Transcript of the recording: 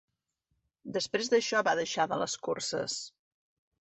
Després d'això va deixar de les curses.